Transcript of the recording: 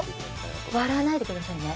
笑わないでくださいね。